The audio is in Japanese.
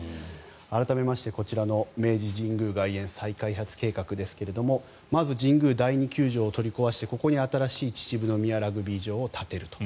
改めましてこちらの明治神宮外苑再開発計画ですがまず、神宮第二球場を取り壊してここに新しい秩父宮ラグビー場を建てると。